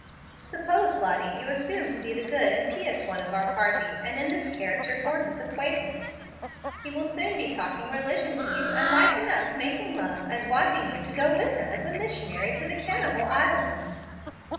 Suppose, Lottie, you assume to be the good and pious one of our party, and in this character form his acquaintance. He will soon be talking religion to you, and like enough, making love and wanting you to go with him as a missionary to the Cannibal Islands."